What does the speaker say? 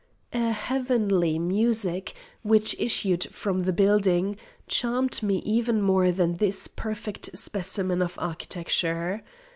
A heavenly music, which issued from the building, charmed me even more than this perfect specimen of architecture.